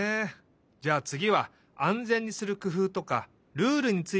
じゃあつぎはあんぜんにするくふうとかルールについてかんがえよう。